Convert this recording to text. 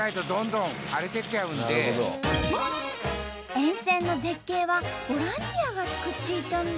沿線の絶景はボランティアがつくっていたんだ！